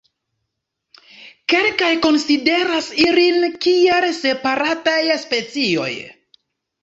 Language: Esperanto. Kelkaj konsideras ilin kiel separataj specioj.